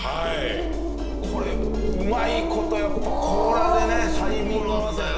これうまい事やっぱり甲羅でねタイミング合わせて。